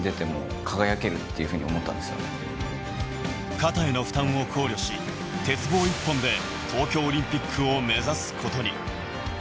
肩への負担を考慮し、鉄棒一本で東京オリンピックを目指すことに。